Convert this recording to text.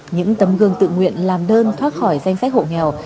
những tấm gương tự nguyện làm đơn thoát khỏi danh sách hộ nghèo